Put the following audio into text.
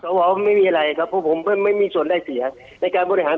เพราะผมไม่มีส่วนได้เสีย